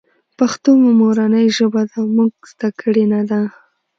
پښتو مو مورنۍ ژبه ده مونږ ذده کــــــــړې نۀ ده